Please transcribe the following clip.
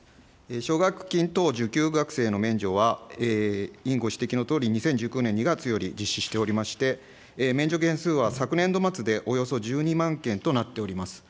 奨学金等受給学生の免除は、委員ご指摘のとおり、２０１９年２月より実施しておりまして、免除件数は昨年度末でおよそ１２万件となっております。